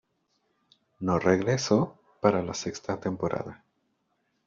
No regresó para la sexta temporada.